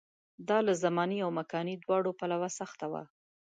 دا له زماني او مکاني دواړو پلوه سخته وه.